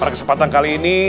pada kesempatan kali ini